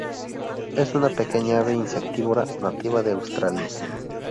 Es una pequeña ave insectívora, nativa de Australia.